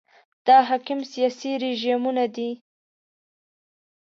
دا حاکم سیاسي رژیمونه دي.